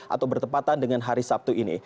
atau bertepatan dengan hari sabtu ini